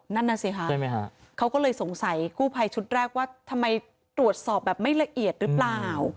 นั่นน่ะสิคะเขาก็เลยสงสัยกู้ภัยชุดแรกว่าทำไมตรวจสอบแบบไม่ละเอียดหรือเปล่า